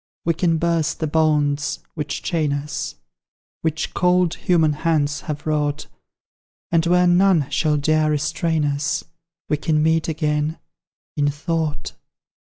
We can burst the bonds which chain us, Which cold human hands have wrought, And where none shall dare restrain us We can meet again, in thought.